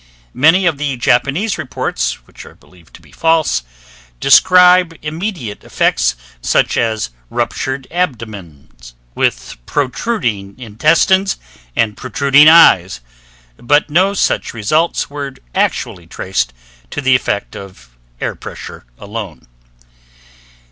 Many of the Japanese reports, which are believed to be false, describe immediate effects such as ruptured abdomens with protruding intestines and protruding eyes, but no such results were actually traced to the effect of air pressure alone.